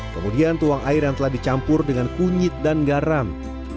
kemudian tuang air yang telah dicampur dengan kunyit dan garam